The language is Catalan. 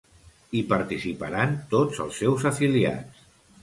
Hi participaran tots els seus afiliats.